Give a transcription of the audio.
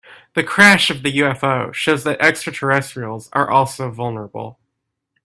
The crash of the UFO shows that extraterrestrials are also vulnerable.